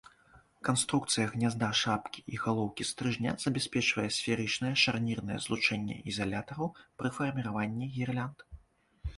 Канструкцыя гнязда шапкі і галоўкі стрыжня забяспечвае сферычнае шарнірнае злучэнне ізалятараў пры фарміраванні гірлянд.